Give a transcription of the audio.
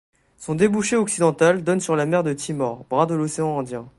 Son débouché occidental donne sur la mer de Timor, bras de l’océan Indien.